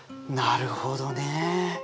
なるほどね。